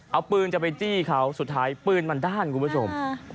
เอาปืนจะไปจี้เขาสุดท้ายปืนมันด้านคุณผู้ชม